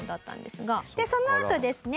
でそのあとですね